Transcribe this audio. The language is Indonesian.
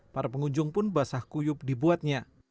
para pengunjung pun basah kuyup dibuatnya